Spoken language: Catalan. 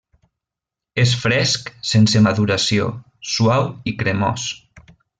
És fresc, sense maduració, suau i cremós.